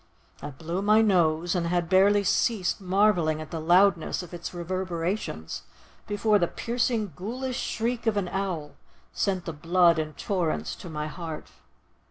I blew my nose, and had barely ceased marvelling at the loudness of its reverberations, before the piercing, ghoulish shriek of an owl sent the blood in torrents to my heart.